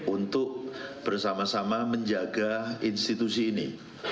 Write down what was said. untuk bersama sama menjaga institusi ini